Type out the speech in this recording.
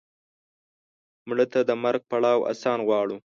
مړه ته د مرګ پړاو آسان غواړو